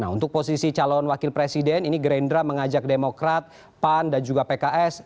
nah untuk posisi calon wakil presiden ini gerindra mengajak demokrat pan dan juga pks